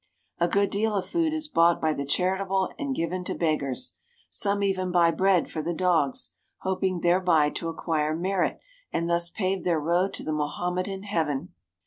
A good deal of food is bought by the charitable and given to beggars. Some even buy bread for the dogs, hoping thereby to acquire merit and thus pave their road to the Mohammedan heaven.